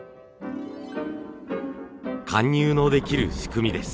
貫入のできる仕組みです。